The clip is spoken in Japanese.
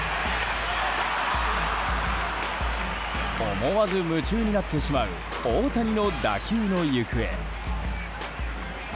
思わず夢中になってしまう大谷の打球の行方。